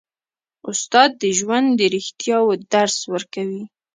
استاد د ژوند د رښتیاوو درس ورکوي.